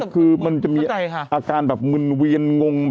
คือมันจะมีอาการแบบมึนเวียนงง